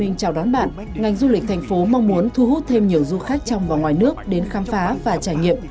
xin chào đón bạn ngành du lịch thành phố mong muốn thu hút thêm nhiều du khách trong và ngoài nước đến khám phá và trải nghiệm